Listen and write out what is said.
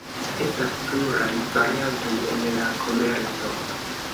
Estas pluraj variantoj en la komerco.